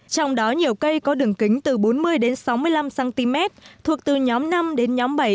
trong đó nhiều cây có đường kính từ bốn mươi đến sáu mươi năm cm thuộc từ nhóm năm đến nhóm bảy